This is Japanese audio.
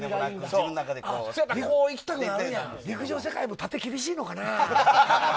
陸上世界も縦、厳しいのかな。